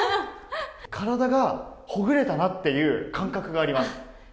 体がほぐれたなっていう感覚があります。